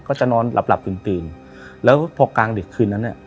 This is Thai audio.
ก็จะนอนหลับหลับตื่นตื่นแล้วพอกลางดึกคืนนั้นเนี่ย